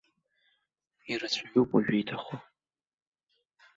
Ирацәаҩуп уажәы иҭахо.